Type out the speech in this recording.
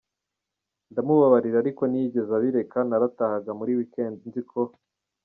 ndamubabarira ariko ntiyigeze abireka naratahaga muri week end nziko.